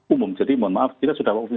umum jadi mohon maaf kita sudah